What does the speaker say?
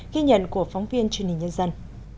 ghi nhận của phóng viên truyền hình nhân dân